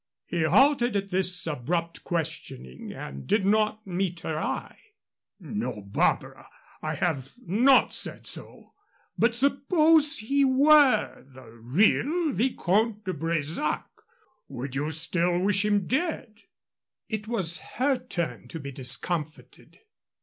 He halted at this abrupt questioning and did not meet her eye. "No, Barbara, I have not said so. But suppose he were the real Vicomte de Bresac, would you still wish him dead?" It was her turn to be discomfited.